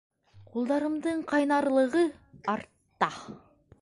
Ҡулдарымдың ҡайнарлығы арта!